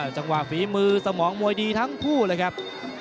จังหวะฝีมือสมองมวยดีทั้งคู่เลยครับ